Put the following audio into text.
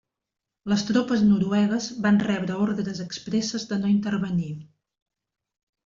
Les tropes noruegues van rebre ordres expresses de no intervenir.